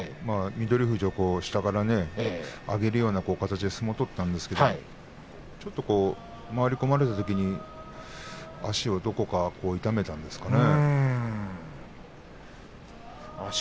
富士を下からは上げるような形で相撲を取っていたんですがちょっと回り込まれたときに足をどこか痛めたんですかね。